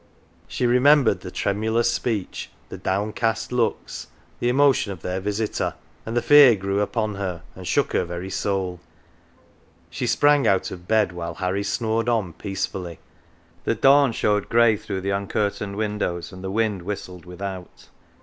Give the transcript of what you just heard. She remembered the tremulous speech, the downcast looks, the emotion of their visitor ; and the fear grew upon her, and shook her very soul. She sprang out of bed, while Harry snored on peacefully ; the dawn showed grey through the uncurtained windows, and the wind whistled without.